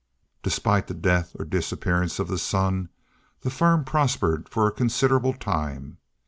Despite the death or disappearance of the Son, the firm prospered for a considerable time.